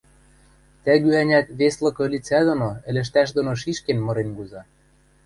Тӓгӱ-ӓнят вес лык ӧлицӓ доно ӹлӹштӓш доно шишкен-мырен куза.